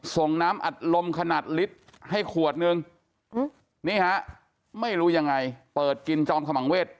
ส่งน้ำอัดลมขนาดลิตรให้ขวดนึงนี่ฮะไม่รู้ยังไงเปิดกินจอมขมังเวท